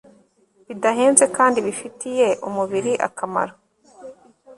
bidahenze kandi bifitiye umubiri akamaro